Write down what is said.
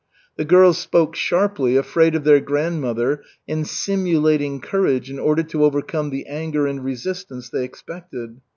The girls spoke sharply, afraid of their grandmother and simulating courage in order to overcome the anger and resistance they expected.